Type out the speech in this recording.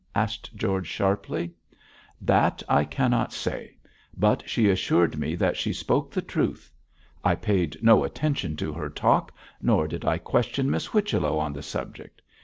asked George, sharply. 'That I cannot say, but she assured me that she spoke the truth. I paid no attention to her talk, nor did I question Miss Whichello on the subject.